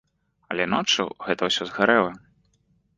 Але ноччу гэта ўсё згарэла.